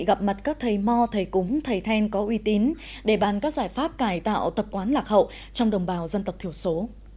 gặp mặt các thầy mò thầy cúng thầy then có uy tín để bàn các giải pháp cải tạo tập quán lạc hậu trong đồng bào dân tộc thiểu số